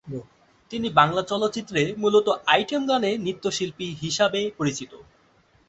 তিনি বাংলা চলচ্চিত্রে মূলত আইটেম গানে নৃত্যশিল্পী হিসাবে পরিচিত।